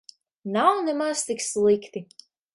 Nav nemaz tik slikti.